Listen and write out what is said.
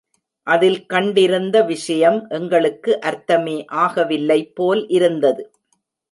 அதில் கண்டிருந்த விஷயம் எங்களுக்கு அர்த்தமே ஆகவில்லைபோல் இருந்தது.